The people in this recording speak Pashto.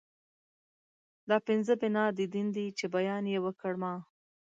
دا پنځه بنا د دين دي چې بیان يې وکړ ما